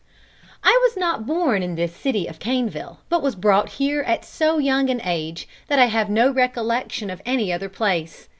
I was not born in this city of Caneville, but was brought here at so young an age, that I have no recollection of any other place.